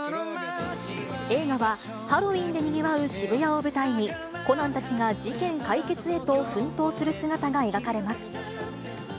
映画は、ハロウィンでにぎわう渋谷を舞台に、コナンたちが事件解決へと奮闘する姿が描かれます。